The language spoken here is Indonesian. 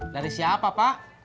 dari siapa pak